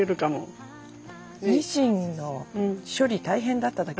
ニシンの処理大変だっただけある。